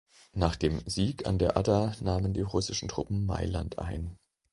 Nach dem Sieg an der Adda nahmen die russischen Truppen Mailand ein.